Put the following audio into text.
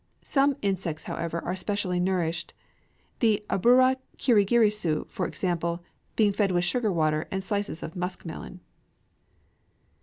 Some insects, however, are specially nourished; the abura kirigirisu, for example, being fed with sugar water and slices of musk melon.